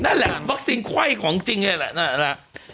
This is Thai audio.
นั่นแหละวัคซีนไขว้ของจริงนั่นแหละ